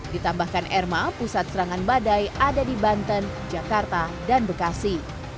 ditambahkan erma pusat serangan badai ada di banten jakarta dan bekasi